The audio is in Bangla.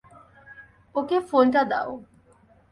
ওকে ফোনটা দাও।